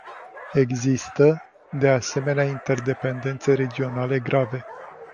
Există, de asemenea, interdependențe regionale grave.